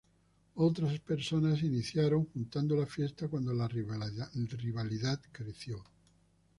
Otras personas iniciaron juntando la fiesta cuando la rivalidad creció.